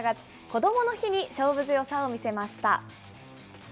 こどもの日に勝負強さを見せました。